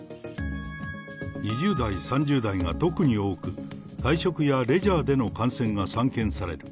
２０代、３０代が特に多く、会食やレジャーでの感染が散見される。